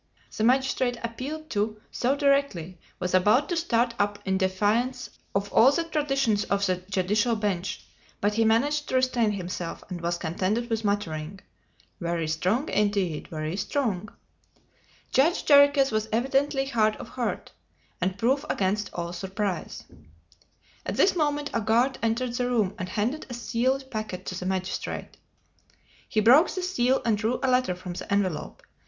The magistrate, appealed to so directly, was about to start up in defiance of all the traditions of the judicial bench, but he managed to restrain himself, and was contented with muttering: "Very strong, indeed; very strong!" Judge Jarriquez was evidently hard of heart, and proof against all surprise. At this moment a guard entered the room, and handed a sealed packet to the magistrate. He broke the seal and drew a letter from the envelope.